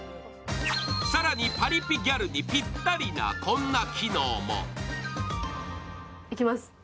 更にパリピギャルにぴったりな、こんな機能も。